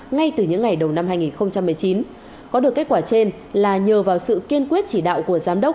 ngay từ những ngày đầu năm hai nghìn một mươi chín có được kết quả trên là nhờ vào sự kiên quyết chỉ đạo của giám đốc